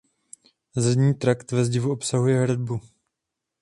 Zadní trakt ve zdivu obsahuje hradbu.